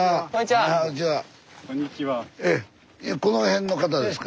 いやこの辺の方ですか？